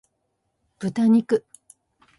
豚肉